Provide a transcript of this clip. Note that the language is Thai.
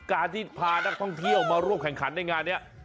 การที่พานักท่องเที่ยวมาร่วมแข่งขันในงานนี้